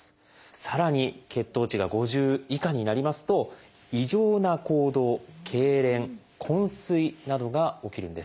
さらに血糖値が５０以下になりますと異常な行動けいれん昏睡などが起きるんです。